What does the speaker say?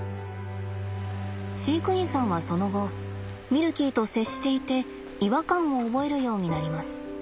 飼育員さんはその後ミルキーと接していて違和感を覚えるようになります。